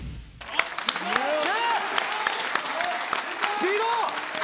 スピード！